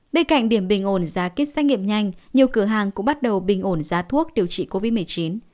bên cạnh điểm bình ổn giá kích xét nghiệm nhanh nhiều cửa hàng cũng bắt đầu bình ổn giá thuốc điều trị covid một mươi chín